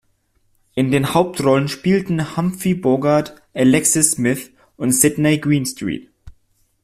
In den Hauptrollen spielten Humphrey Bogart, Alexis Smith und Sydney Greenstreet.